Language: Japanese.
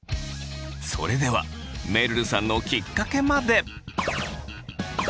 それではめるるさんのきっかけまで。